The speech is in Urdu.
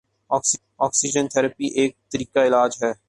آکسیجن تھراپی ایک طریقہ علاج ہے